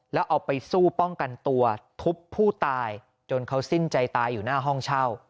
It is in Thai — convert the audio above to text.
แล้วเอาไปสู้ป้องกันตัวทุบผู้ตายจนเขาสิ้นใจตายอยู่หน้าห้องเช่า